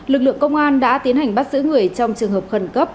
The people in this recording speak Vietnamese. lực lượng công an đã tiến hành bắt giữ người trong trường hợp khẩn cấp